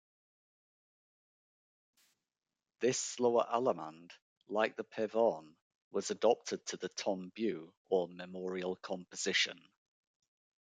This slower allemande, like the pavane, was adapted to the "tombeau" or memorial composition.